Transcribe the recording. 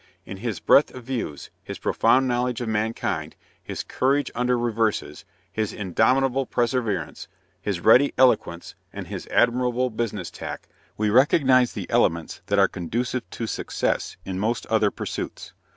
In his breadth of views, his profound knowledge of mankind, his courage under reverses, his indomitable perseverance, his ready eloquence, and his admirable business tact, we recognise the elements that are conducive to success in most other pursuits.